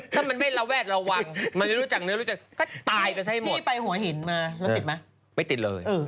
ถ้ามันไม่ระแวดระวังมันจังเร็วจะก็ตายกันใช่ไหมหมด